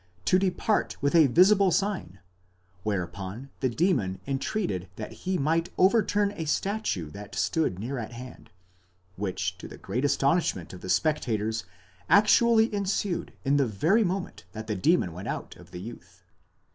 431 depart with a visible sign, whereupon the demon entreated that he might overturn a statue that stood near at hand; which to the great astonishment of the spectators actually ensued in the very moment that the demon went out of the youth.